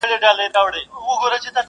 عشقه اول درد وروسته مرحم راکه,